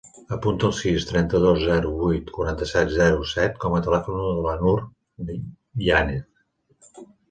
Apunta el sis, trenta-dos, zero, vuit, quaranta-set, zero, set com a telèfon de la Nur Yanez.